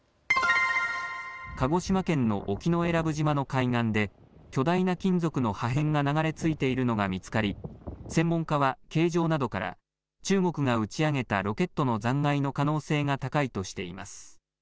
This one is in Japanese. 鹿児島県の沖永良部島の海岸で巨大な金属の破片が流れ着いているのが見つかり、専門家は形状などから中国が打ち上げたロケットの残骸の可能性が高いとしています。